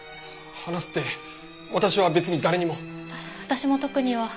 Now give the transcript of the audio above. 話すって私は別に誰にも。私も特には。